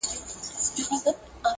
o خپل پر تنگسه په کارېږي.